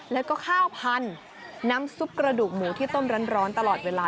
แล้วก็ข้าวพันธุ์น้ำซุปกระดูกหมูที่ต้มร้อนตลอดเวลา